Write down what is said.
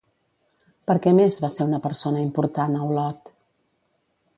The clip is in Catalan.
Per què més va ser una persona important a Olot?